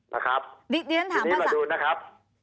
ทีนี้มาดูนะครับ